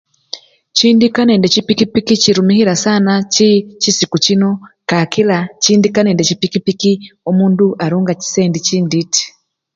Chindika nende chipikipiki chirumikhibwa sana chisiku chino kakila, chindika nende chipikipiki omundu arunga chisendi chintiti.